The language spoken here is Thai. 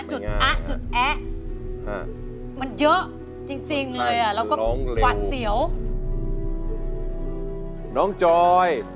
จุดอ๊ะจุดแอ๊ะมันเยอะจริงเลยแล้วก็กวาดเสียวค่ะคือร้องเร็ว